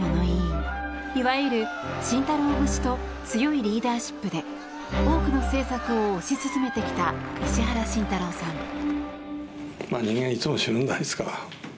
いわゆる慎太郎節と強いリーダーシップで多くの政策を推し進めてきた石原慎太郎さん。